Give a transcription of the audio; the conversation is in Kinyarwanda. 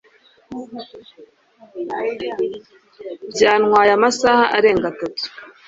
Byantwaye amasaha arenga atatu